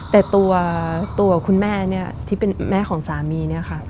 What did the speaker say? แต่ตัวคุณแม่ที่เป็นแม่ของสามี